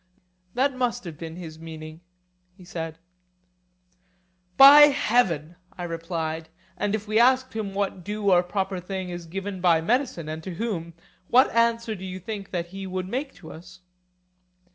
That must have been his meaning, he said. By heaven! I replied; and if we asked him what due or proper thing is given by medicine, and to whom, what answer do you think that he would make to us?